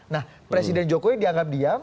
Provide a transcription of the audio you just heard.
nah presiden jokowi dianggap diam